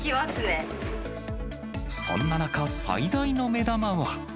そんな中、最大の目玉は。